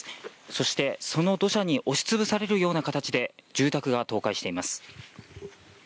そして、その土砂に押しつぶされるような形で住宅が倒壊しています。